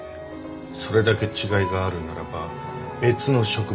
それだけ違いがあるならば別の植物だろう。